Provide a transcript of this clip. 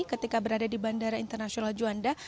ketika berada di bandara internasional juanda